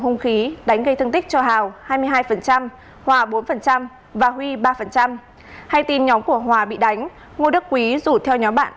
hung khí đánh gây thương tích cho hào hai mươi hai hòa bốn và huy ba hay tin nhóm của hòa bị đánh ngô đức quý rủ theo nhóm bạn